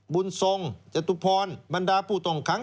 บุญทรงจตุพรบรรดาผู้ต้องขัง